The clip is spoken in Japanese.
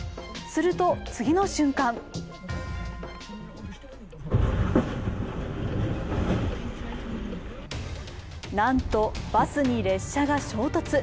すると次の瞬間なんとバスに列車が衝突。